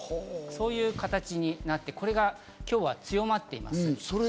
そういう形になって、今日はこれが強まっています。